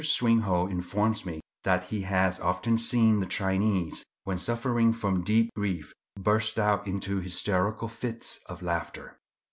Swinhoe informs me that he has often seen the Chinese, when suffering from deep grief, burst out into hysterical fits of laughter.